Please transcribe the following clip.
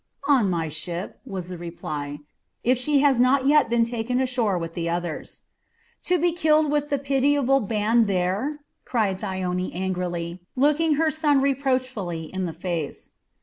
"On my ship," was the reply, "if she has not yet been taken ashore with the others." "To be killed with the pitiable band there?" cried Thyone angrily, looking her son reproachfully in the face.